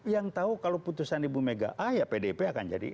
yang tahu kalau putusan ibu mega a ya pdip akan jadi